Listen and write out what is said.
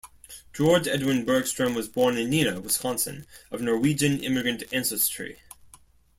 George Edwin Bergstrom was born in Neenah, Wisconsin of Norwegian immigrant ancestry.